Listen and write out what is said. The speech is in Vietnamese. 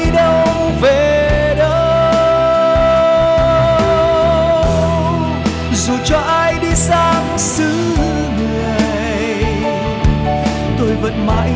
đơn giản thế thôi